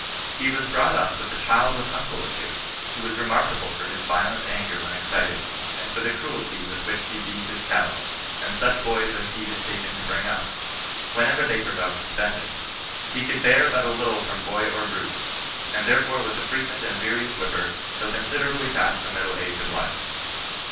He was brought up with a childless uncle of his, who was remarkable for violent anger when excited, and for the cruelty with which he beat his cattle, and such boys as he haa taken to bring up, whenever they provoked his vengeance. He could bear but little from boy or brute, and there fore was a frequent and furious whipper till considerably past the middle age of life.